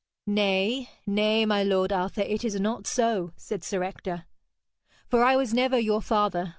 'Nay, nay, my lord Arthur, it is not so,' said Sir Ector, 'for I was never your father.